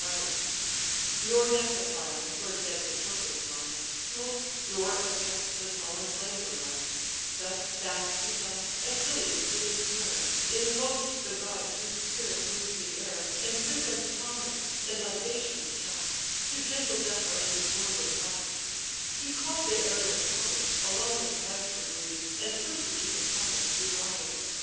THE FUNERAL PILE OF PATROCLUS Nor yet the pile, where dead Patroclus lies, Smokes, nor as yet the sullen flames arise; But, fast beside, Achilles stood in prayer, Invoked the gods whose spirit moves the air, And victims promised, and libations cast, To gentle Zephyr and the Boreal blast: He call'd the aerial powers, along the skies To breathe, and whisper to the fires to rise.